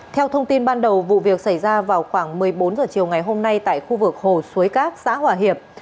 theo thông tin ban đầu vụ việc xảy ra vào khoảng một mươi bốn h chiều ngày hôm nay tại khu vực hồ suối các xã hòa hiệp